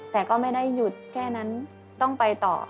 แต่ก็ไม่ได้หยุดแค่นั้นต้องไปต่อ